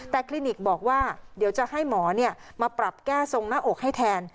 แต่คลินิกบอกว่าเดี๋ยวจะให้หมอมาปรับแก้ทรงหน้าอกให้แทน